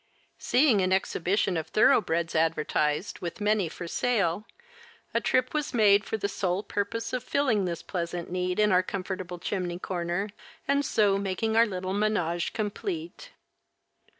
Seeing an exhibition of thoroughbreds advertised, with many for sale, a trip was made for the sole purpose of filling this pleasant need in our comfortable chimney corner, and so making our little ménage complete.